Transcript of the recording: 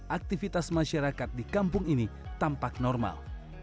aktivitas masyarakat di kampung ini tampak normal